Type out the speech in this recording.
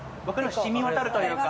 染み渡るというか。